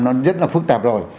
nó rất là phức tạp rồi